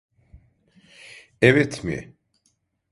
Evet mi?